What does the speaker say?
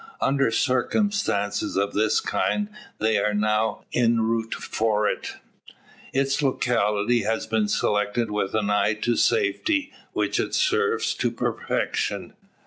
Under circumstances of this kind they are now en route for it. Its locality has been selected with an eye to safety, which it serves to perfection.